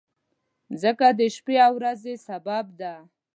مځکه د شپې او ورځې سبب ده.